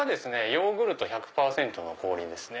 ヨーグルト１００％の氷です。